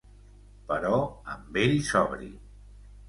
Però amb ell sobri.